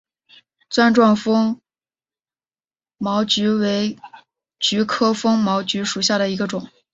钻状风毛菊为菊科风毛菊属下的一个种。